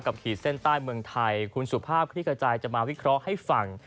ขีดเส้นใต้เมืองไทยคุณสุภาพคลิกกระจายจะมาวิเคราะห์ให้ฟัง